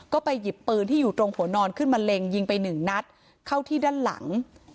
ก็ไปหยิบปืนที่อยู่ตรงหัวนอนขึ้นมะเร็งยิงไปหนึ่งนัดเข้าที่ด้านหลัง